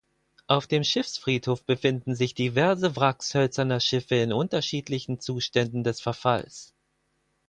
Auf dem Schiffsfriedhof befinden sich diverse Wracks hölzerner Schiffe in unterschiedlichen Zuständen des Verfalls.